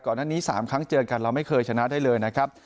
นั้นนี้๓ครั้งเจอกันเราไม่เคยชนะได้เลยนะครับ